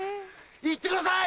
行ってください！